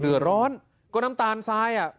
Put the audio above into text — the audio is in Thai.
เดือดร้อนก็น้ำตาลทรายอ่ะ